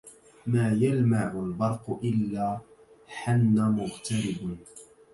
ما يلمع البرق إلا حن مغترب